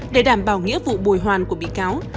để đảm bảo nghĩa vụ bồi hoàn của bị cáo